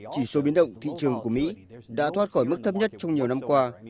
chỉ số biến động thị trường của mỹ đã thoát khỏi mức thấp nhất trong nhiều năm qua